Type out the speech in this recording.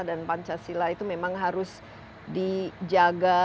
dan pancasila itu memang harus dijaga